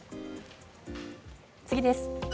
次です。